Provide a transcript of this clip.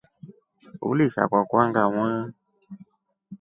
Ulisha kwakwa ngamaa.